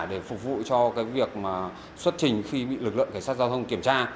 để phục vụ cho cái việc mà xuất trình khi bị lực lượng cảnh sát giao thông kiểm tra